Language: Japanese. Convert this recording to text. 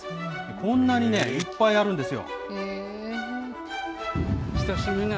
こんなにね、いっぱいあるんですよ。